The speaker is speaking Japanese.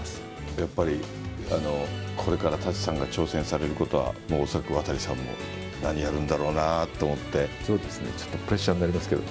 やっぱり、これから舘さんが挑戦されることは恐らく渡さんも、そうですね、ちょっとプレッシャーになりますけど。